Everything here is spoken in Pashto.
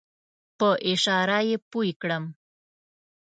په اشاره یې پوی کړم.